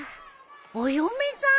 お嫁さん！？